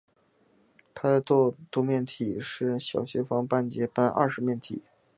它的对偶多面体是小斜方截半二十面体。